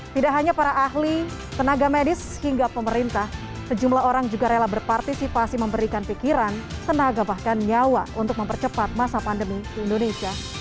tidak hanya para ahli tenaga medis hingga pemerintah sejumlah orang juga rela berpartisipasi memberikan pikiran tenaga bahkan nyawa untuk mempercepat masa pandemi di indonesia